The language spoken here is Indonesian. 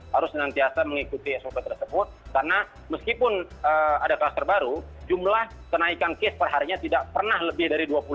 harus senantiasa mengikuti sop tersebut karena meskipun ada kluster baru jumlah kenaikan case perharinya tidak pernah lebih dari dua puluh